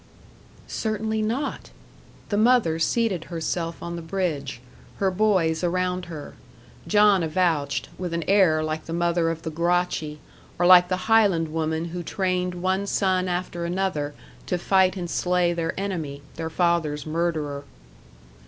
"Certainly not." The mother seated herself on the bridge, her boys around her; John avouched, with an air like the mother of the Gracchi, or like the Highland woman who trained one son after another to fight and slay their enemy their father's murderer.